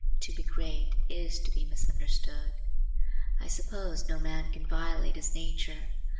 To be great is to be misunderstood. I suppose no man can violate his nature.